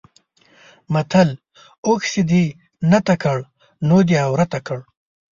متل: اوښ چې دې نته کړ؛ نو دی عورته کړ.